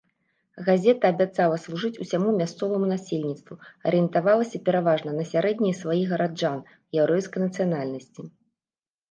Газета абяцала служыць усяму мясцоваму насельніцтву, арыентавалася пераважна на сярэднія слаі гараджан яўрэйскай нацыянальнасці.